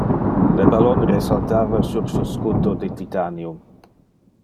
Le ballon resaltava sur su escudo de titanium.